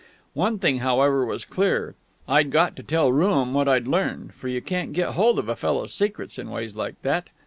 One thing, however, was clear; I'd got to tell Rooum what I'd learned: for you can't get hold of a fellow's secrets in ways like that.